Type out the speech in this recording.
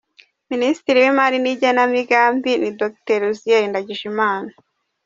Ministre w’imali n’igenamigambi ni Dr Uzziel Ndagijimana